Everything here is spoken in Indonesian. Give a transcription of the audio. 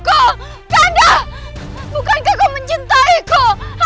kanda kanda bukankah kau mencintaiku